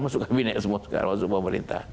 masuk kabinet semua sekarang masuk pemerintah